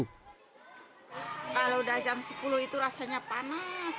kalau udah jam sepuluh itu rasanya panas